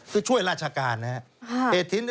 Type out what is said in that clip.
คือช่วยราชการนะครับ